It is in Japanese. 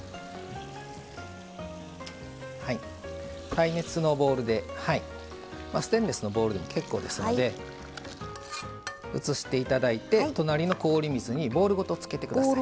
耐熱のボウルでステンレスのボウルでも結構ですので移していただいて隣の氷水にボウルごとつけてください。